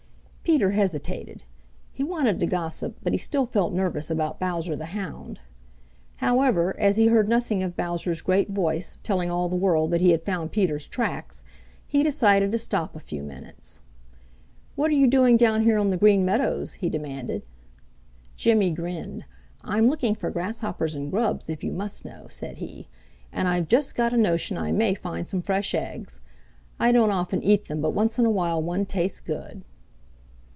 Peter hesitated. He wanted to gossip, but he still felt nervous about Bowser the Hound. However, as he heard nothing of Bowser's great voice, telling all the world that he had found Peter's tracks, he decided to stop a few minutes. "What are you doing down here on the Green Meadows?" he demanded. Jimmy grinned. "I'm looking for grasshoppers and grubs, if you must know," said he. "And I've just got a notion I may find some fresh eggs. I don't often eat them, but once in a while one tastes good."